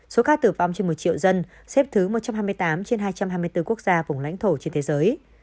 số ca tử vong trên một triệu dân xếp thứ một trăm hai mươi tám trên hai trăm hai mươi bốn quốc gia vùng lãnh thổ trên thế giới